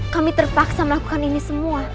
kami terpaksa melakukan ini semua